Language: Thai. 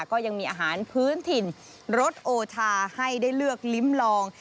ก็ยังมีอาหารพื้นถิ่นรสโอทาให้ได้เลือกลิ้มลอง